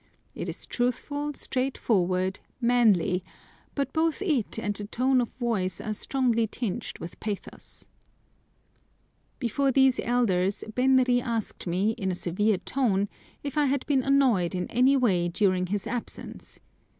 It is truthful, straightforward, manly, but both it and the tone of voice are strongly tinged with pathos. Before these elders Benri asked me, in a severe tone, if I had been annoyed in any way during his absence.